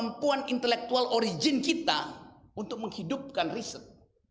itu adalah kemampuan intelektual origin kita untuk menghidupkan riset